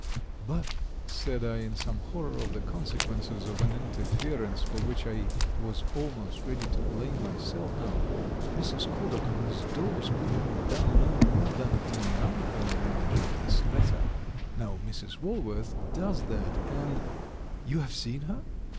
"But," said I, in some horror of the consequences of an interference for which I was almost ready to blame myself now, "Mrs. Couldock and Miss Dawes could have done no more than deny all knowledge of this letter. Now Mrs. Walworth does that, and " "You have seen her?